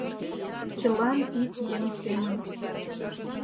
Чылан ик еҥ семын!..